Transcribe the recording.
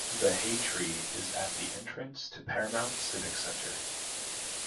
The Hay Tree is at the entrance to Paramount Civic center.